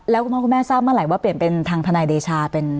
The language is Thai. แล้วคุณพ่อคุณแม่ทราบเมื่อไหร่ว่าเปลี่ยนเป็นทางทนายเดชาเป็น